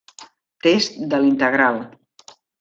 Test de l'integral.